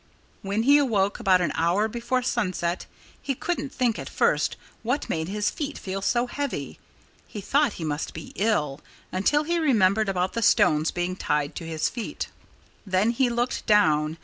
When he awoke, about an hour before sunset, he couldn't think at first what made his feet feel so heavy. He thought he must be ill until he remembered about the stones being tied to his feet. Then he looked down.